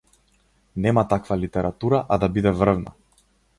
Нема таква литература, а да биде врвна.